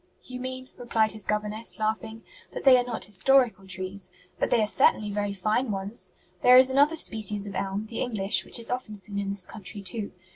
"You mean," replied his governess, laughing, "that they are not historical trees; but they are certainly very fine ones. There is another species of elm, the English, which is often seen in this country too.